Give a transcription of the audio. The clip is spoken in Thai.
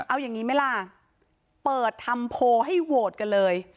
เอาอย่างนี้ไหมล่ะเปิดทำโพลให้โหวตกันเลย